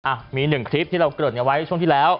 อะมี๑คลิปที่เราเกือบไว้ช่วงที่แล้ว